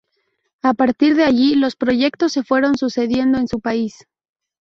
A partir de allí los proyectos se fueron sucediendo en su país.